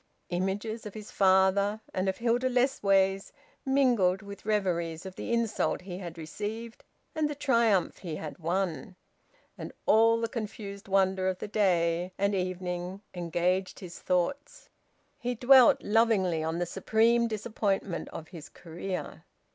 Images of his father and of Hilda Lessways mingled with reveries of the insult he had received and the triumph he had won, and all the confused wonder of the day and evening engaged his thoughts. He dwelt lovingly on the supreme disappointment of his career.